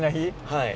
はい。